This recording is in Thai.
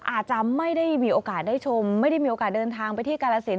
อาจจะไม่ได้มีโอกาสได้ชมไม่ได้มีโอกาสเดินทางไปที่กาลสิน